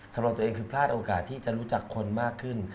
สำหรับตัวเองคือพลาดโอกาสที่จะรู้จักคนมากขึ้น